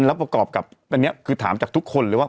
แล้วประกอบกับอันนี้คือถามจากทุกคนเลยว่า